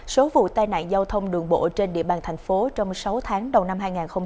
số vụ tai nạn giao thông đường bộ trên địa bàn thành phố trong sáu tháng đầu năm hai nghìn hai mươi